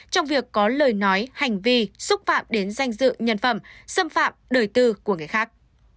trong việc có lời nói hành vi xúc phạm đến danh dự nhân phẩm xâm phạm đời tư của người khác